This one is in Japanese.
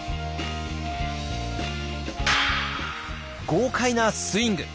豪快なスイング！